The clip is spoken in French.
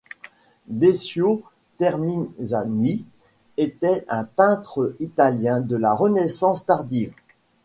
Decio Termisani était un peintre italien de la Renaissance tardive.